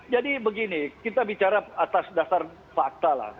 jadi begini kita bicara atas dasar fakta lah